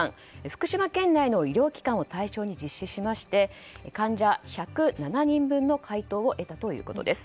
福島県内の医療機関を対象に実施しまして患者１０７人分の回答を得たということです。